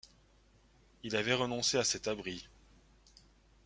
Il avait renoncé à cet abri.